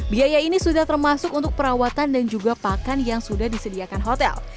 biaya ini sudah termasuk untuk perawatan dan juga pakan yang sudah disediakan hotel